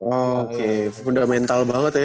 oke udah mental banget ya